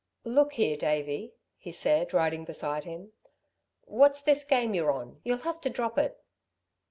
"Look here, Davey," he said, riding beside him, "what's this game you're on? You'll have to drop it."